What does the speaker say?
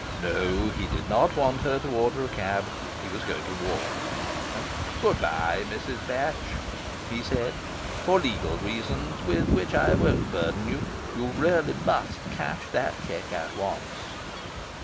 No, he did not want her to order a cab. He was going to walk. And "Good bye, Mrs. Batch," he said. "For legal reasons with which I won't burden you, you really must cash that cheque at once."